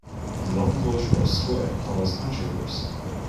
The long closure of square caused controversy.